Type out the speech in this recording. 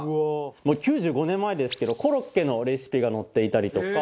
もう９５年前ですけどコロッケのレシピが載っていたりとか。